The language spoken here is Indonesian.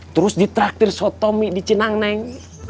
terus ditraktir sotomi di cinang neng